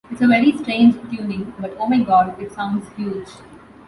It's a very strange tuning, but oh my God, it sounds huge.